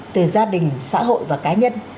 từ gia đình xã hội và cá nhân